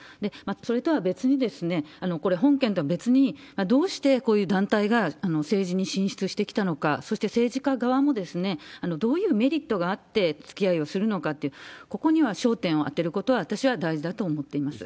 それとは別に、これ、本件とは別にどうしてこういう団体が政治に進出してきたのか、そして政治家側も、どういうメリットがあってつきあいをするのかっていう、ここには焦点を当てることは私は大事だと思っています。